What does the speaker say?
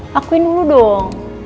pakuin dulu dong